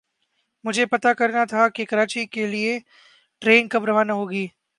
مجھے پتا کرنا تھا کے کراچی کےلیے ٹرین کب روانہ ہو گی۔